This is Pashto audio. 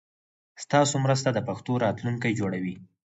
ستاسو مرسته د پښتو راتلونکی جوړوي.